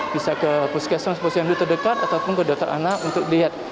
bisa ke puskesmas posyandu terdekat ataupun ke dokter anak untuk lihat